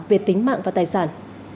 về tính mạng và tài sản